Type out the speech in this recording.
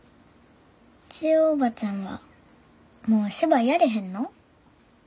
千代おばちゃんはもうお芝居やれへんの？